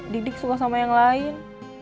didik suka sama yang lain